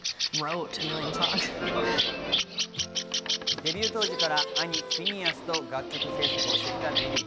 デビュー当時から兄・フィニアスと楽曲制作をしてきたビリー。